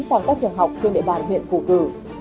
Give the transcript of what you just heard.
tại các trường học trên địa bàn huyện phù cử